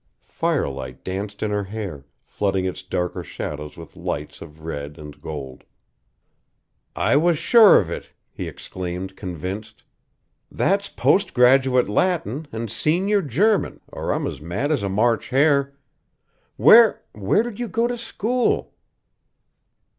Firelight danced in her hair, flooding its darker shadows with lights of red and gold. "I was sure of it," he exclaimed, convinced. "That's post graduate Latin and senior German, or I'm as mad as a March hare! Where where did you go to school?"